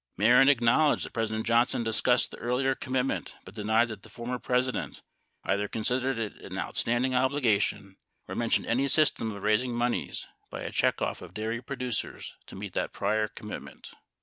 1 Mehren acknowledged that President Johnson discussed the earlier commitment but denied that the former President either con sidered it an outstanding obligation or mentioned any system of raising moneys by a checkoff of dairy producers to meet that prior commitment.